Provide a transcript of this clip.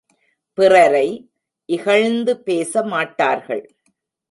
பிறரை இகழ்ந்து பேச மாட்டார்கள்.